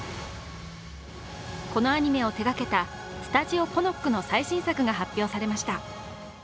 このアニメを手がけたスタジオポノックの最新作が発表されました。